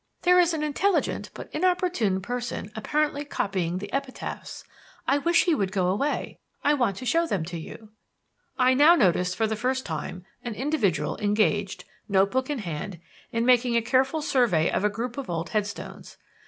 There is an intelligent, but inopportune, person apparently copying the epitaphs. I wish he would go away. I want to show them to you." I now noticed, for the first time, an individual engaged, notebook in hand, in making a careful survey of a group of old headstones.